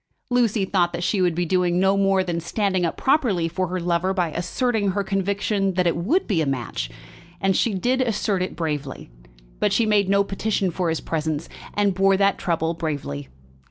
Lucy thought that she would be doing no more than standing up properly for her lover by asserting her conviction that it would be a match; and she did assert it bravely; but she made no petition for his presence, and bore that trouble bravely.